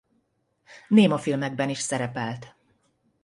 Némafilmekben is szerepelt.